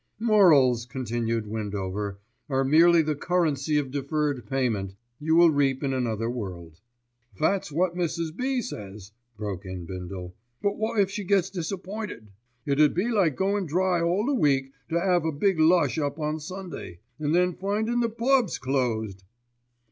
"Morals," continued Windover, "are merely the currency of deferred payment—you will reap in another world." "That's wot Mrs. B. says," broke in Bindle; "but wot if she gets disappointed? It 'ud be like goin' dry all the week to 'ave a big lush up on Sunday, an' then findin' the pubs closed."